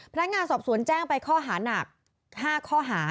พนักงานสอบสวนแจ้งไปข้อหานัก๕ข้อหา